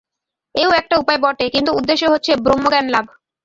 এও একটা উপায় বটে, কিন্তু উদ্দেশ্য হচ্ছে ব্রহ্মজ্ঞানলাভ।